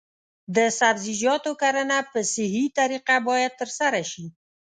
د سبزیجاتو کرنه په صحي طریقه باید ترسره شي.